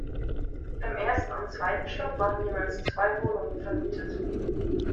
Im ersten und zweiten Stock waren jeweils zwei Wohnungen vermietet.